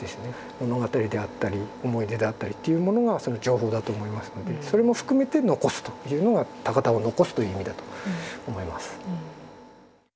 物語であったり思い出であったりというものが情報だと思いますのでそれも含めて残すというのが高田を残すという意味だと思います。